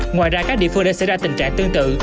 ngoài ra các địa phương đã xảy ra tình trạng tương tự